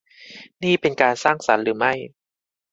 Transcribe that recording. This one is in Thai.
นี่เป็นการสร้างสรรค์หรือไม่ ?